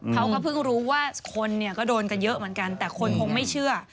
เขาก็เพิ่งรู้ว่าคนเนี่ยก็โดนกันเยอะเหมือนกันแต่คนคงไม่เชื่อ